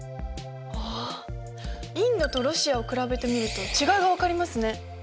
あっインドとロシアを比べてみると違いが分かりますね。